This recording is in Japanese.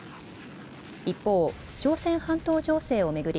一方、朝鮮半島情勢を巡り